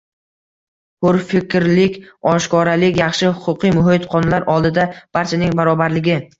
Hurfikrlik, oshkoralik, yaxshi huquqiy muhit — qonunlar oldida barchaning barobarligi